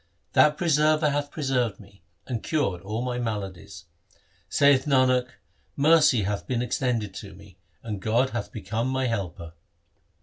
That Preserver hath preserved me, and cured all my maladies. Saith Nanak, mercy hath been extended to me, and God hath become my helper.